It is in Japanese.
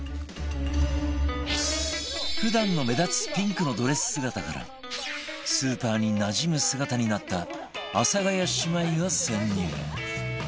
普段の目立つピンクのドレス姿からスーパーになじむ姿になった阿佐ヶ谷姉妹が潜入